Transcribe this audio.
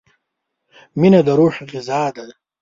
• مینه د روح غذا ده.